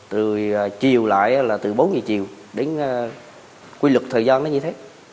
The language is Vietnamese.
rồi chiều lại là từ bốn giờ chiều đến quy lực thời gian nó như thế